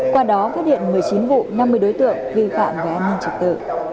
qua đó phát hiện một mươi chín vụ năm mươi đối tượng ghi phạm về an ninh trực tự